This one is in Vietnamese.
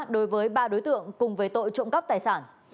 đối với ba đối tượng cùng với tội trộm cắp tài sản